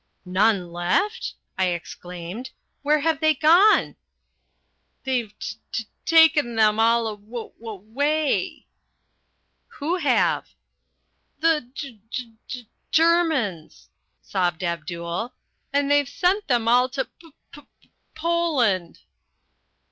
"None left?" I exclaimed. "Where are they gone?" "They've t t taken them all aw w way " "Who have?" "The G G G Germans," sobbed Abdul. "And they've sent them all to P P P Poland."